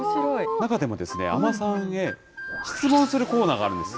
中でも海女さんへ質問するコーナーがあるんです。